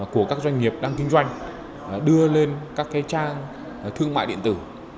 của các doanh nghiệp đang kinh doanh đưa lên các trang thương mại điện tử